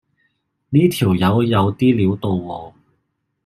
呢條友有啲料到喎